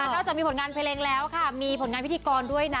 จากมีผลงานเพลงแล้วค่ะมีผลงานพิธีกรด้วยนะ